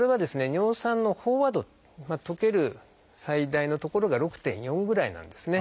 尿酸の飽和度溶ける最大のところが６．４ぐらいなんですね。